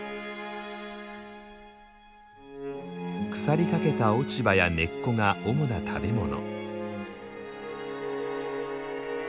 腐りかけた落ち葉や根っこが主な食べ物。